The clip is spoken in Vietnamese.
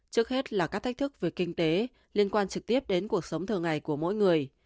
trước hết là các thách thức về kinh tế liên quan trực tiếp đến cuộc sống thường ngày của mỗi người